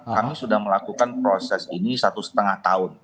kami sudah melakukan proses ini satu setengah tahun